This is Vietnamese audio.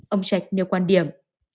ông trạch nêu quan điểm